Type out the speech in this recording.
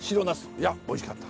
いやおいしかった。